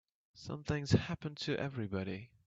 Something's happened to everybody.